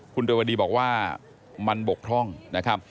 คุณเรวดีบอกว่ามันบกพร่องนะครับ